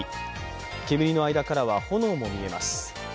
煙の間からは炎も見えます。